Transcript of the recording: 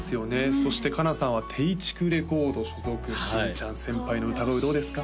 そしてＫＡＮＡさんはテイチクレコード所属新ちゃん先輩の歌声どうですか？